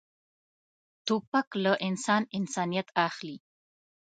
توپک له انسان انسانیت اخلي.